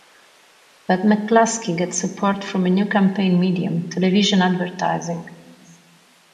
But McCluskey gets support from a new campaign medium: television advertising.